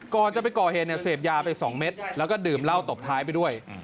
ก่อนจะไปก่อเหตุเนี่ยเสพยาไป๒เม็ดแล้วก็ดื่มเหล้าตบท้ายไปด้วย